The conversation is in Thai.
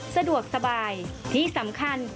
สะดวกสบายที่สำคัญ